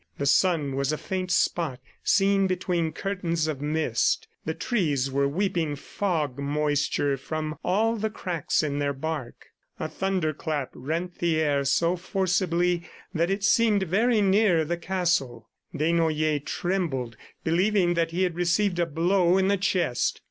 The sun was a faint spot seen between curtains of mist. The trees were weeping fog moisture from all the cracks in their bark. A thunderclap rent the air so forcibly that it seemed very near the castle. Desnoyers trembled, believing that he had received a blow in the chest.